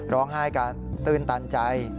ร้องไห้กันตื้นตันใจ